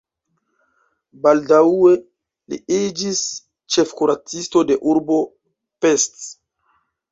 Baldaŭe li iĝis ĉefkuracisto de urbo Pest.